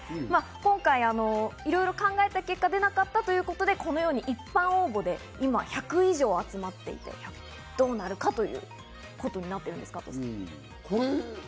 今回いろいろ考えた結果、出なかったということで、このように一般応募で今、１００以上集まっていて、どうなるかということになっているんです、加藤さん。